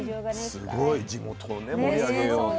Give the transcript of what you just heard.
すごい地元を盛り上げようと。